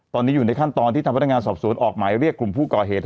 ตอนนี้อยู่ในขั้นตอนที่ทางพนักงานสอบสวนออกหมายเรียกกลุ่มผู้ก่อเหตุ